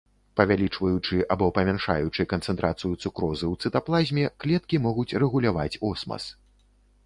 Павялічваючы або памяншаючы канцэнтрацыю цукрозы ў цытаплазме, клеткі могуць рэгуляваць осмас.